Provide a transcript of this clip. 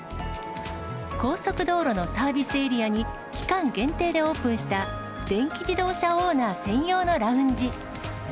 高速道路のサービスエリアに期間限定でオープンした、電気自動車オーナー専用のラウンジ。